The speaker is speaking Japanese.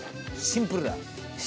シンプル！